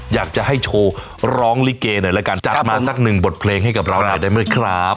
อยากจะให้โชว์ร้องลิเกหน่อยแล้วกันจัดมาสักหนึ่งบทเพลงให้กับเราหน่อยได้ไหมครับ